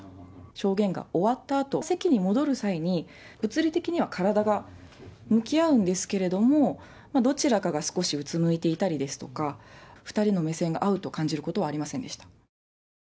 証言が終わったあと、席に戻る際に、物理的には体が向き合うんですけれども、どちらかが少しうつむいていたりですとか、２人の目線が合うと感じることはありませんでした。